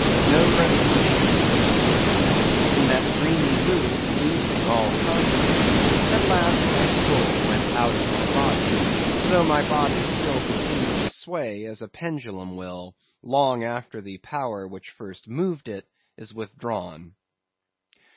No resolution could withstand it; in that dreamy mood losing all consciousness, at last my soul went out of my body; though my body still continued to sway as a pendulum will, long after the power which first moved it is withdrawn.